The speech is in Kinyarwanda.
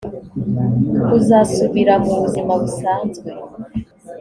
kuzasubira mu buzima busanzwe